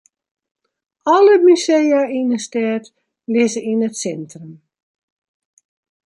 Alle musea yn 'e stêd lizze yn it sintrum.